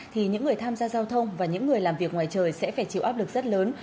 thì những người tham gia giao thông và những người làm việc ngoài trời sẽ phải chịu áp lực rất lớn